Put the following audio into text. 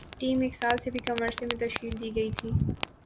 team ایک سال سے بھی کم عرصے میں تشکیل دی گئی تھی